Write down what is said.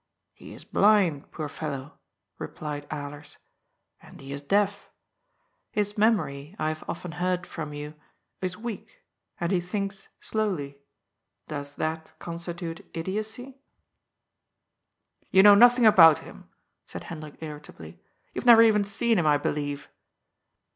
" He is blind, poor fellow," replied Alers. " And he is deaf. His memory, I have often heard from you, is weak, and he thinks slowly. Does that constitute idiocy ?" 126 GOD'S POOL. " You know nothing about him," said Hendrik irritably. " You have never even seen him, I believe."